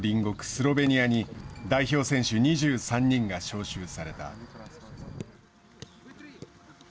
スロベニアに代表選手２３人が招集された。